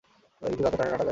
কিন্তু তাতেও কাটা যায়নি।